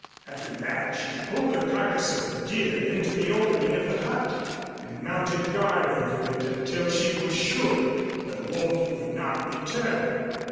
After that, she pulled the carcass of the deer into the opening of the hut and mounted guard over it until she was sure the wolf would not return.